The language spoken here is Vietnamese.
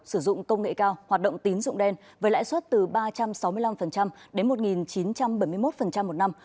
sử dụng công nghệ cao hoạt động tín dụng đen với lãi suất từ ba trăm sáu mươi năm đến một chín trăm bảy mươi một một năm